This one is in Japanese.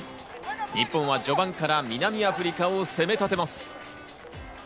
日本は序盤から南アフリカを攻め立てます。